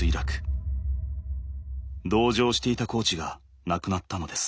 同乗していたコーチが亡くなったのです。